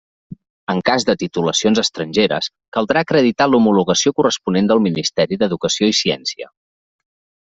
En cas de titulacions estrangeres, caldrà acreditar l'homologació corresponent del Ministeri d'Educació i Ciència.